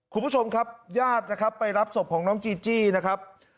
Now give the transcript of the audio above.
คุณผู้ชมครับญาตินะครับไปรับศพของน้องจีจี้นะครับ